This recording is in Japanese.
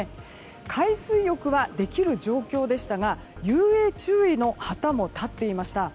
海水浴はできる状況でしたが遊泳注意の旗も立っていました。